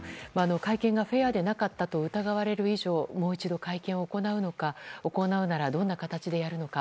会見がフェアでなかったと疑われる以上もう一度、会見を行うのか行うなら、どんな形でやるのか。